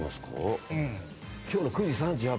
今日の９時３８分。